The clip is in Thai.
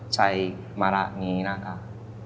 ใช้มะระนี้นะครับ